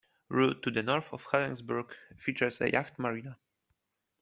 Rhu, to the north of Helensburgh, features a yacht marina.